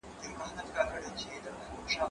کېدای سي وخت لنډ وي!.